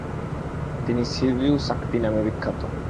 তিনি ছিররিউ সাকতী নামে বিখ্যাত।